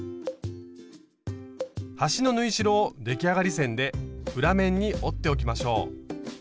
端の縫い代を出来上がり線で裏面に折っておきましょう。